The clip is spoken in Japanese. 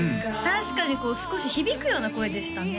確かに少し響くような声でしたね